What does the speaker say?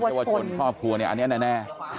วัยชนชอบครัวเนี่ยอันนี้แน่